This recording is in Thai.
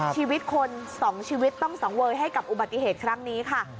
ชีวิตคนสองชีวิตต้องสังเวยให้กับอุบัติเหตุครั้งนี้ค่ะ